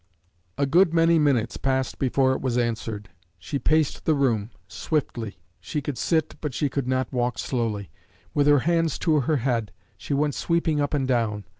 A good many minutes passed before it was answered. She paced the room swiftly; she could sit, but she could not walk slowly. With her hands to her head, she went sweeping up and down.